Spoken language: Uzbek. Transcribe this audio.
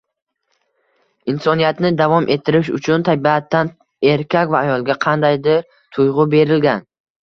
Insoniyatni davom ettirish uchun tabiatan erkak va ayolga qandaydir tuyg‘u berilgan